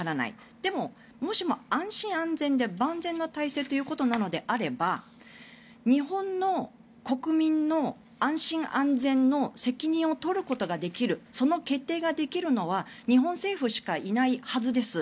でも、もしも安心安全で万全の体制ということなのであれば日本の国民の安心安全の責任を取ることができるその決定ができるのは日本政府しかいないはずです。